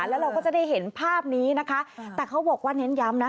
แล้วเราก็จะได้เห็นภาพนี้นะคะแต่เขาบอกว่าเน้นย้ำนะ